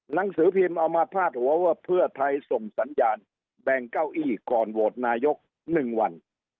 หนังสือพิมพ์เอามาพาดหัวว่าเพื่อไทยส่งสัญญาณแบ่งเก้าอี้ก่อนโหวตนายก๑วัน